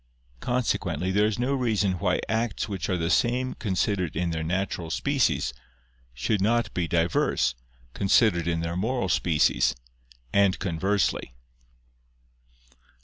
Consequently there is no reason why acts which are the same considered in their natural species, should not be diverse, considered in their moral species, and conversely.